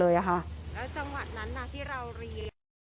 แล้วจังหวัดนั้นน่ะที่เราเรียว